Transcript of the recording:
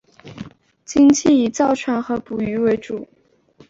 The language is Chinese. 经济以造船和捕鱼为主。